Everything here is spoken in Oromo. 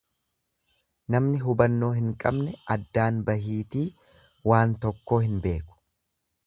Namni hubannoo hin qabne addaan bahiitii waan tokkoo hin beeku.